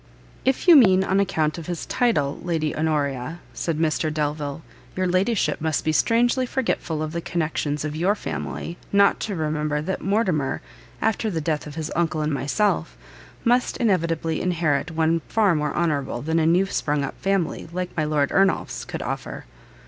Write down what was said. "If you mean on account of his title, Lady Honoria," said Mr Delvile; "your ladyship must be strangely forgetful of the connections of your family, not to remember that Mortimer, after the death of his uncle and myself, must inevitably inherit one far more honourable than a new sprung up family, like my Lord Ernolf's, could offer."